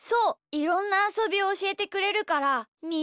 いろんなあそびをおしえてくれるからみ